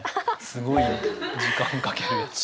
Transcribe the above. すごい時間かける。